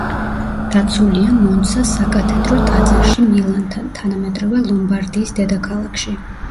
დაცულია მონცას საკათედრო ტაძარში მილანთან, თანამედროვე ლომბარდიის დედაქალაქში.